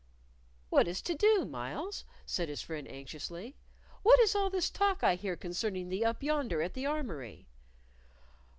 "What is to do, Myles?" said his friend, anxiously. "What is all this talk I hear concerning thee up yonder at the armory?"